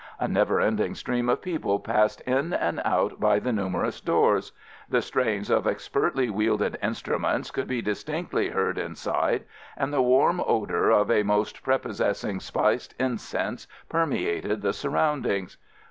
A never ending stream of people passed in and out by the numerous doors; the strains of expertly wielded instruments could be distinctly heard inside, and the warm odour of a most prepossessing spiced incense permeated the surroundings.